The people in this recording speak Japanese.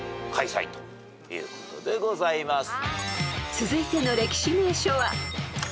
［続いての歴史名所は］